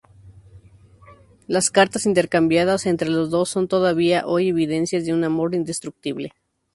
Las cartas intercambiadas entre los dos son todavía hoy evidencias de un amor indestructible.